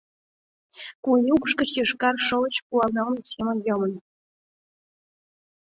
Куэ укш гыч йошкар шовыч пуал налме семын йомын.